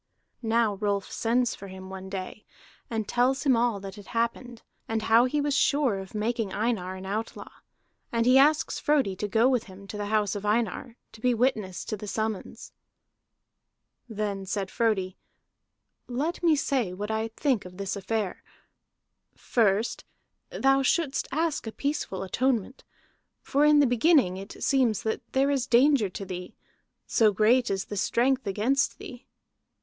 Now Rolf sends for him one day, and tells him all that had happened, and how he was sure of making Einar an outlaw. And he asks Frodi to go with him to the house of Einar, to be witness to the summons. Then said Frodi: "Let me say what I think of this affair. First thou shouldst ask a peaceful atonement. For in the beginning it seems that there is danger to thee, so great is the strength against thee.